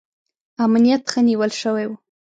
امنیت ښه نیول شوی و.